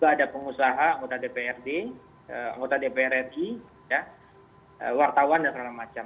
ada pengusaha anggota dprd anggota dpr ri wartawan dan segala macam